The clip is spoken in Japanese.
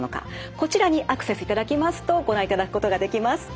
こちらにアクセスいただきますとご覧いただくことができます。